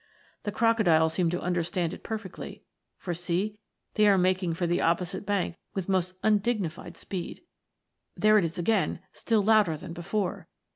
The Crocodiles seem to understand it perfectly, for see, they are making for the opposite bank with most undignified speed. There it is again, still louder than before